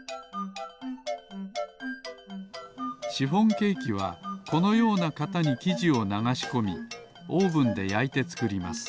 シフォンケーキはこのようなかたにきじをながしこみオーブンでやいてつくります